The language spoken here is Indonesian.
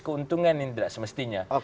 keuntungan yang tidak semestinya